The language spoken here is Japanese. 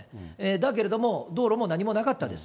だけれども、道路も何もなかったです。